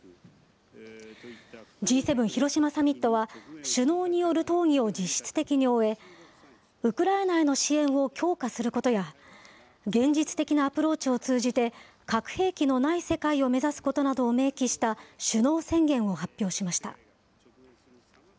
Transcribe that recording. Ｇ７広島サミットは首脳による討議を実質的に終えウクライナへの支援を強化することや現実的なアプローチを通じて核兵器のない世界を目指すことなどを明記した首脳宣言を発表しました。